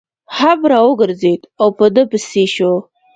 هم را وګرځېد او په ده پسې شو.